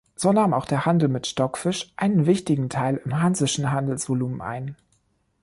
So nahm auch der Handel mit Stockfisch einen wichtigen Teil im Hansischen Handelsvolumen ein.